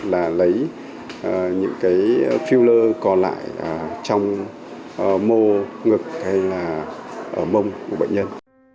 là lấy những cái filler còn lại trong mô ngực hay là ở mông của bệnh nhân